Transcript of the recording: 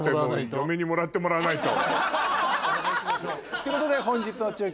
嫁にもらってもらわないと。ということで本日の中継